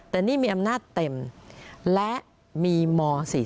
แต่นี่มีอำนาจเต็มและมีม๔๔